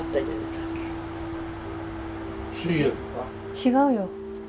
違うよ。